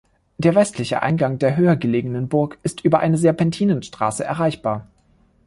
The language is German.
Der westliche Eingang der höher gelegenen Burg ist über eine Serpentinenstraße erreichbar.